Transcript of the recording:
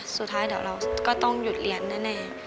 สุดท้ายเดี๋ยวเราก็ต้องหยุดเรียนแน่